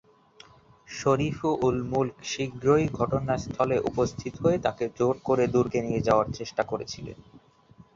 শরীফু-উল-মুলক শীঘ্রই ঘটনাস্থলে উপস্থিত হয়ে তাকে জোর করে দুর্গে নিয়ে যাওয়ার চেষ্টা করেছিলেন।